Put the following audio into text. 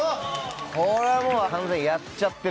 これはもう完全にやっちゃってるわ。